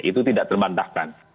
itu tidak terbantahkan